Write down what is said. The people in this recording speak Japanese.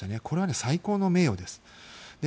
これは最高の名誉です。